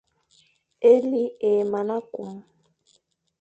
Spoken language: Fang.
Éli é mana kum.